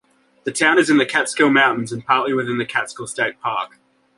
The town is in the Catskill Mountains and partly within the Catskill State Park.